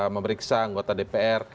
memeriksa anggota dpr